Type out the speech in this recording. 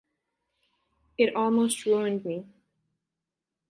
It almost ruined me.